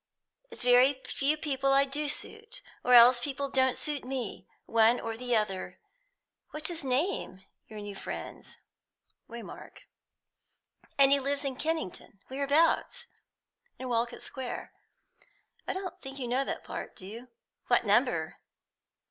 It's very few people I do suit, or else people don't suit me, one or the other. What's his name, your new friend's?" "Waymark." "And he lives in Kennington? Whereabouts?" "In Walcot Square. I don't think you know that part, do you?" "What number?"